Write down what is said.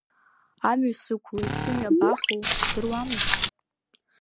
Амҩа сықәлеит, сымҩа абахоу, здыруада?